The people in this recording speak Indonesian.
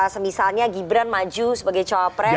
semisalnya gibran maju sebagai cowok pres